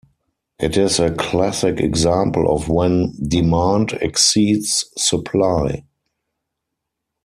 It is a classic example of when Demand exceeds Supply.